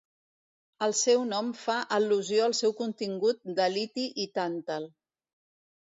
El seu nom fa al·lusió al seu contingut de liti i tàntal.